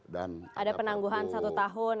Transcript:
dan ada penangguhan satu tahun